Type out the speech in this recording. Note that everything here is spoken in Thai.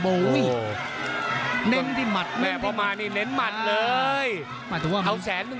โบวี่เน้นที่หมาตรเนื่องพอมานี่เน้นหมันเลยมาเถอะเอาแสนนึง